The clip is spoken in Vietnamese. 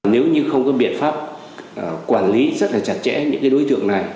nếu như không có biện pháp quản lý rất là chặt chẽ những đối tượng này